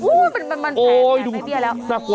อุ้ยมันแผนไม่เบี้ยแล้ว